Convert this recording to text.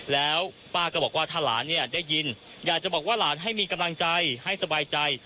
แล้วป้าก็บอกว่าถ้าหลานเนี่ยได้ยินอยากจะบอกว่าหลานให้มีกำลังใจให้สบายใจ